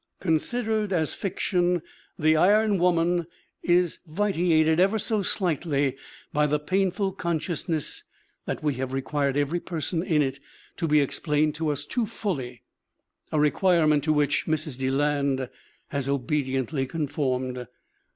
Considered as fiction, The Iron Woman is vitiated ever so slightly by the painful consciousness that we have required every person in it to be explained to us too fully, a requirement to which Mrs. Deland has obediently conformed.